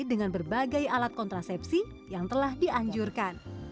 dengan berbagai alat kontrasepsi yang telah dianjurkan